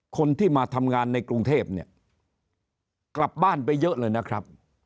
คนที่มาทำงานในกรุงเทพเนี่ยกลับบ้านไปเยอะเลยนะครับ